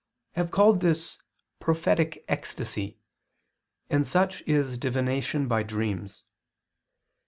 II, xxxvi] have called this "prophetic ecstasy," and such is divination by dreams.